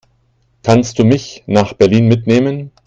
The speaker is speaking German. Kannst du mich nach Berlin mitnehmen?